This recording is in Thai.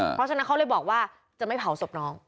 เพราะฉะนั้นเขาเลยบอกว่าจะไม่เผาศพน้อง